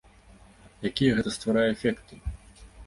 Якія гэта стварае эфекты?